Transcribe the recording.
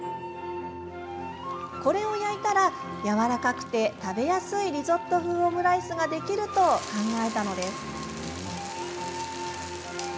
これを焼いたらやわらかくて食べやすいリゾット風オムライスができると考えたのです。